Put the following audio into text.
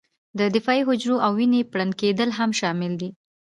د دفاعي حجرو او د وینې پړن کېدل هم شامل دي.